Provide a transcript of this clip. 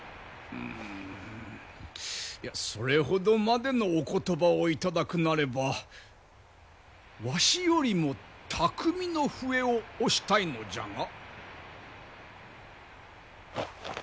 うんいやそれほどまでのお言葉を頂くなればわしよりも巧みの笛を推したいのじゃが。